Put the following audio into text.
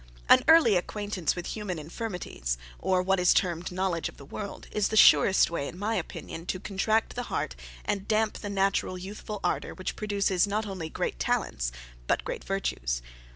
An early acquaintance with human infirmities; or, what is termed knowledge of the world, is the surest way, in my opinion, to contract the heart and damp the natural youthful ardour which produces not only great talents, but great virtues.